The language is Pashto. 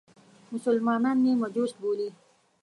مسلمانان مې مجوس بولي.